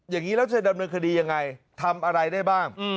อย่างนี้แล้วจะดำเนินคดียังไงทำอะไรได้บ้าง